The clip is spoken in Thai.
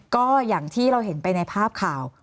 ก็อย่างที่เราเห็นไปในภาพข่าว